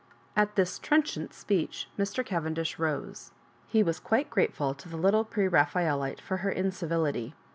At this trenchant speech Mr. Cavendish rose. He was quite grateful to the little Preraphaelite for her incivility.